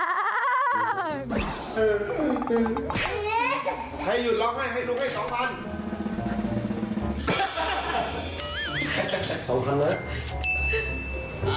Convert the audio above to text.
ให้หยุดร้องไห้ให้ลุงให้สองพันเลย